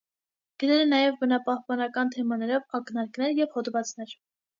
Գրել է նաև բնապահպանական թեմաներով ակնարկներ և հոդվածներ։